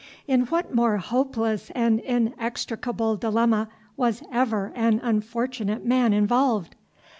"In what more hopeless and inextricable dilemma was ever an unfortunate man involved!"